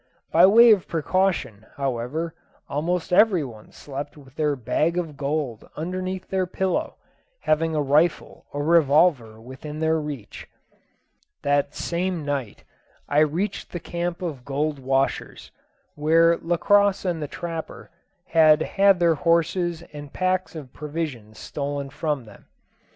By way of precaution, however, almost every one slept with their bag of gold underneath their pillow, having a rifle or revolver within their reach. That same night I reached the camp of gold washers, where Lacosse and the trapper had had their horses and packs of provisions stolen from them.